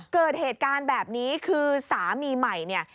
เกิดเหตุการณ์แบบนี้คือสามีใหม่เนี่ย